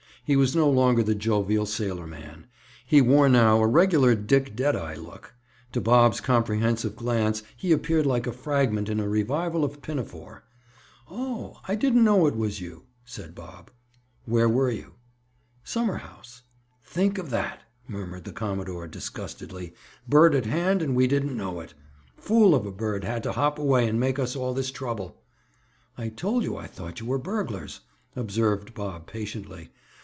He was no longer the jovial sailorman; he wore now a regular Dick Deadeye look. To Bob's comprehensive glance he appeared like a fragment in a revival of Pinafore. "Oh, I didn't know it was you," said Bob. "Where were you?" "Summer house." "Think of that," murmured the commodore, disgustedly. "Bird at hand, and we didn't know it. Fool of a bird had to hop away and make us all this trouble!" "I told you I thought you were burglars," observed Bob patiently.